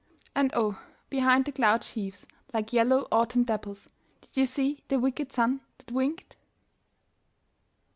And oh, behind the cloud sheaves, like yellow autumn dapples, Did you see the wicked sun that winked?